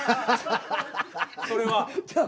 それは。